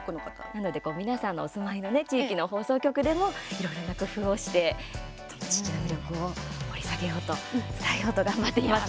なので皆さんのお住まいのね、地域の放送局でもいろいろな工夫をしてその地域の魅力を掘り下げようとすばらしいです。